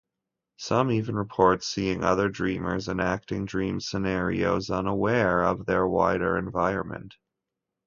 Some even report seeing other dreamers enacting dream scenarios unaware of their wider environment.